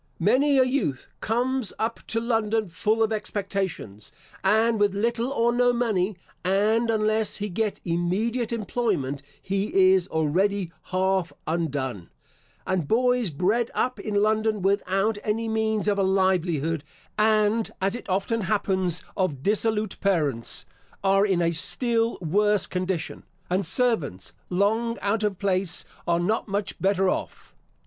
Many a youth comes up to London full of expectations, and with little or no money, and unless he get immediate employment he is already half undone; and boys bred up in London without any means of a livelihood, and as it often happens of dissolute parents, are in a still worse condition; and servants long out of place are not much better off.